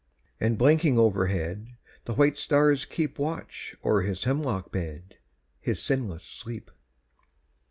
And blinking overhead the white stars keep Watch o'er his hemlock bed his sinless sleep.